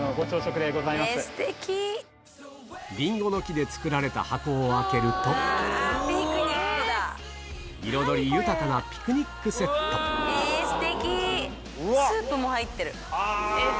りんごの木で作られた箱を開けると彩り豊かなピクニックセットうわっ！